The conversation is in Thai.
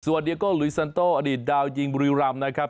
สวัสดีครับลุยซันโตอดีตดาวยิงบริรามนะครับ